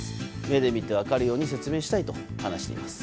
目で見て分かるように説明したいと話しています。